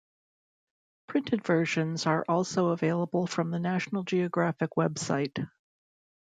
Printed versions are also available from the National Geographic website.